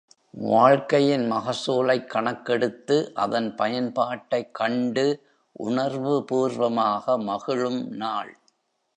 வாழ்க்கையின் மகசூலைக் கணக்கெடுத்து அதன் பயன்பாட்டைக் கண்டு உணர்வு பூர்வமாக மகிழும் நாள்!